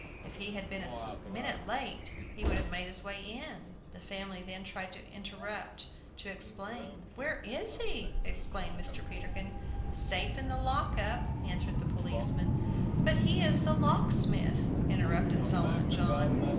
If I had been a minute late he would have made his way in" The family then tried to interrupt to explain "Where is he?" exclaimed Mr. Peterkin. "Safe in the lock up," answered the policeman. "But he is the locksmith!" interrupted Solomon John.